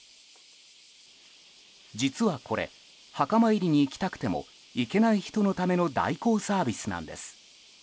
実はこれ、墓参りに行きたくても行けない人のための代行サービスなんです。